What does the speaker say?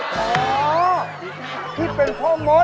ไว้อ๋อพี่เป็นพ่อมส